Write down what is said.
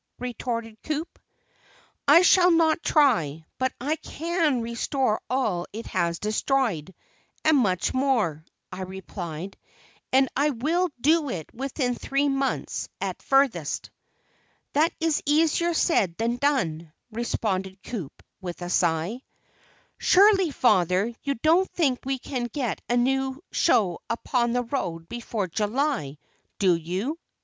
retorted Coup. "I shall not try, but I can restore all it has destroyed, and much more," I replied; "and I will do it within three months at furthest." "That is easier said than done," responded Coup with a sigh. "Surely, Father, you don't think we can get a new show upon the road before July, do you?"